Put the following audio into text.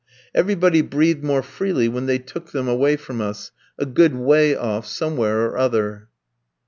Everybody breathed more freely when they took them away from us, a good way off, somewhere or other.